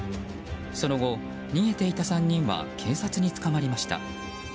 その後、逃げていた３人は警察に捕まりました。